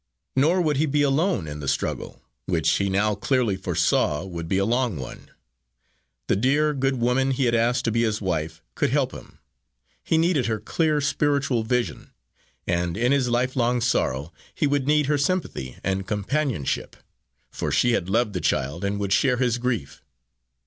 Nor would he be alone in the struggle, which he now clearly foresaw would be a long one. The dear, good woman he had asked to be his wife could help him. He needed her clear, spiritual vision; and in his lifelong sorrow he would need her sympathy and companionship; for she had loved the child and would share his grief.